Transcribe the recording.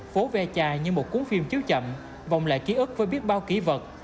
phố ve chai như một cuốn phim chiếu chậm vòng lại ký ức với biết bao kỷ vật